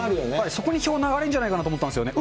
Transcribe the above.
そこに票、流れるんじゃないかと思ったんですよね。